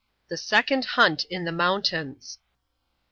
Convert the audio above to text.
The second Hunt in the Mountains.